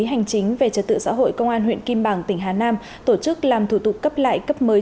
tổ chức trật tự xã hội công an huyện kim bảng tỉnh hà nam tổ chức làm thủ tục cấp lại cấp mới